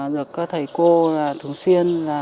được thầy cô thường xuyên